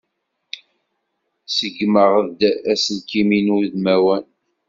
Ṣeggmeɣ-d aselkim-inu udmawan.